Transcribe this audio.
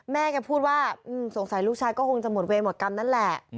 แม่แกพูดว่าสงสัยลูกชายก็คงจะหมดเวรหมดกรรมนั่นแหละ